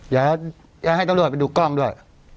อยากให้ตำรวจไปดูกล้องด้วย